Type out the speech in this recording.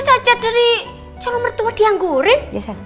lu saja dari calon mertua dianggurin